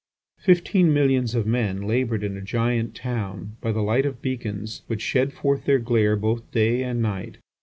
Fifteen millions of men laboured in a giant town by the light of beacons which shed forth their glare both day and night.